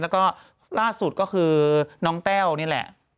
แล้วก็ล่าสุดก็คือน้องแต้วนี่แหละ